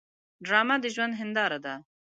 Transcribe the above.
ډرامه د ژوند هنداره ده